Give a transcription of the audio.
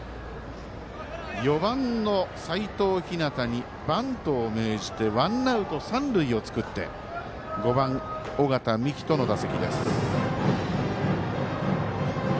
４番の齋藤陽にバントを命じてワンアウト、三塁を作って５番、尾形樹人の打席です。